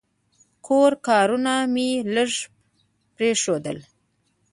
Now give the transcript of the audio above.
کور کارونه مې لږ پرېښودل.